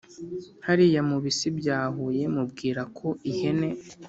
hariya mu bisi bya huye mubwira ko ihene